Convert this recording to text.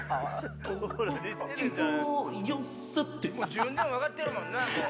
自分でも分かってるもんな。